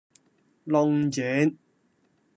龍井